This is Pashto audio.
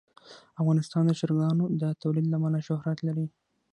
افغانستان د چرګانو د تولید له امله شهرت لري.